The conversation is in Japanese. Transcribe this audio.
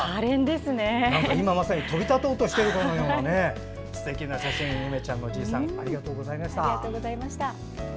今まさに飛び立とうとしているかのようなすてきな写真をゆめちゃんの爺さんありがとうございました。